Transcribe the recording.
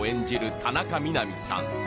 田中みな実さん